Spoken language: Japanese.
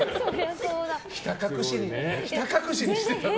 ひた隠しにしてたって。